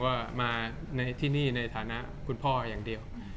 ว่ามาในที่นี่ในฐานะคุณพ่ออย่างเดียว